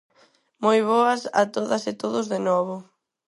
Moi boas a todas e todos de novo.